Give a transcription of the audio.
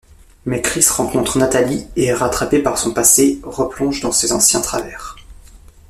Mais Chris rencontre Natalie et, rattrapé par son passé, replonge dans ses anciens travers.